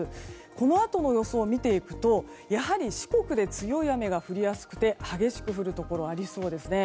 このあとの予想を見ていくとやはり、四国で強い雨が降りやすくて激しく降るところがありそうですね。